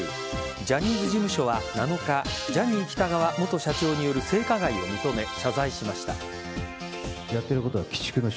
ジャニーズ事務所は７日ジャニー喜多川元社長による性加害を認め、謝罪しました。